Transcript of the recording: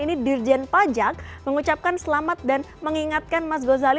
ini dirjen pajak mengucapkan selamat dan mengingatkan mas gozali